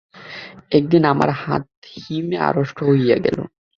একদিন আমার হাত হিমে আড়ষ্ট হইয়া গেল।